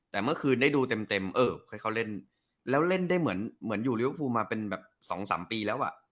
แต่เมื่อคืนได้ดูเต็มแล้วเล่นได้เหมือนอยู่ริวฟูมาเป็น๒๓ปีแล้ว